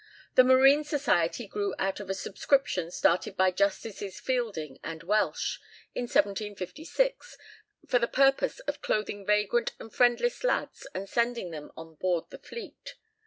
The Marine Society grew out of a subscription started by Justices Fielding and Welch, in 1756, for the purpose of clothing vagrant and friendless lads and sending them on board the fleet.